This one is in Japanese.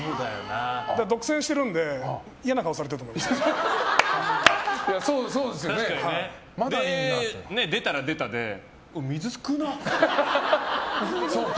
独占してるので嫌な顔されています。